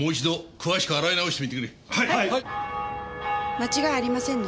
間違いありませんね？